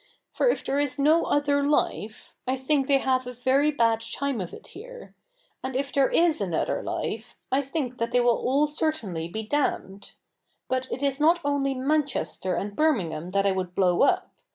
For if there is no other life, I think they have a very bad time of it here ; and if there is another life, I think that they will all certainly be damned. But it is not only Manchester and Birming ham that I would blow up.